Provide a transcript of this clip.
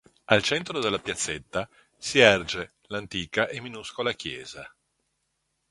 Al centro della piazzetta si erge l'antica e minuscola Chiesa.